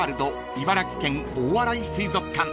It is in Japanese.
茨城県大洗水族館］